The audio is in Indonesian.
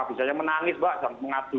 misalnya menangis mbak jangan mengadu